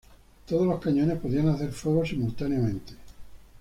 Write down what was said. Todos los cañones podían hacer fuego simultáneamente.